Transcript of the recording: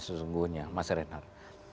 sesungguhnya mas renar